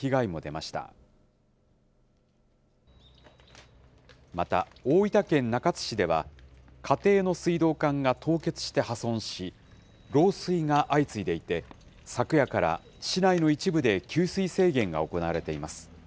また、大分県中津市では、家庭の水道管が凍結して破損し、漏水が相次いでいて、昨夜から、市内の一部で給水制限が行われています。